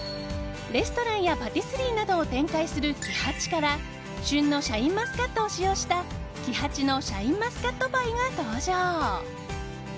レストランやパティスリーなどを展開するＫＩＨＡＣＨＩから旬のシャインマスカットを使用したＫＩＨＡＣＨＩのシャインマスカットパイが登場。